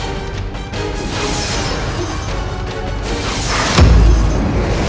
kuma hatu ini teh